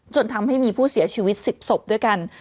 จนทำให้มีผู้เสียชีวิต๑๐ศพด้วยกัน